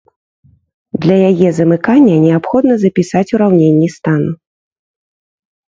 Для яе замыкання неабходна запісаць ураўненні стану.